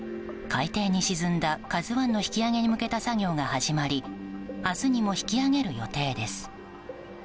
海底に沈んだ「ＫＡＺＵ１」の引き揚げに向けた作業が始まり明日にも引き揚げる予定です。